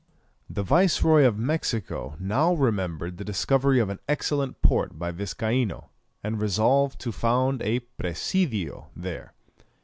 The Viceroy of Mexico now remembered the discovery of an excellent port by Viscaino, and resolved to found a "presidio" there.